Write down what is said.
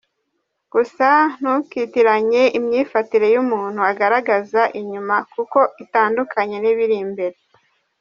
gusa ntukitiranye imyifatire y’umuntu agaragaza inyuma kuko itandukanye n’ibiri imbere.